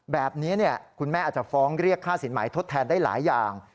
แบบนี้คุณแม่อาจจะฟ้องเรียกค่าสินหมายทดแทนได้หลายอย่าง